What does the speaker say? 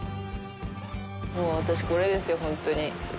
私、これですよ、本当に。